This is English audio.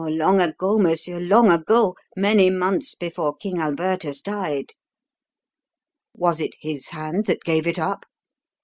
"Oh, long ago, monsieur long ago; many months before King Alburtus died." "Was it his hand that gave it up?"